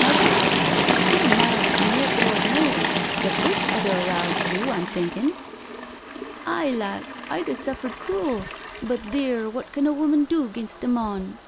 Mother? You're mild as milk Lord knows, but this 'ud a roused you, I'm thinkin'." " Aye, lass, I'd a suffered crool— but theer, wot can a woman do 'ginst a mon?